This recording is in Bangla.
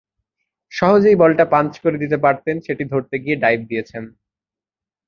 সহজেই বলটা পাঞ্চ করে দিতে পারতেন, সেটি ধরতে গিয়ে ডাইভ দিয়েছেন।